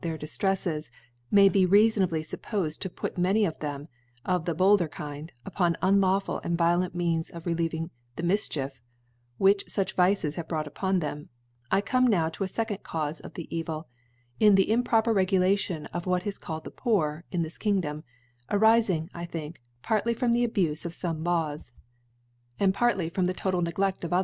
their Dif trefles, may be rcafon^bly fupppfed to put many of them of the bolder Kind upon unlawful and violent Means of relieving the Mifchief which fuch Vices have brought upon them ; I come now to a fecond Caufe of the Evil, in the improper Regulation of what is called the Poor in thisKingdom^ arifing, I think, partly from the Abufe of fome Laws^ and partly from the total Ne gledt of.